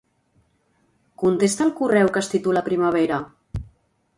Contesta el correu que es titula "primavera".